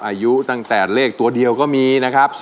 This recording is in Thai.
อายุตั้งแต่เลขตัวเดียวก็มีนะครับ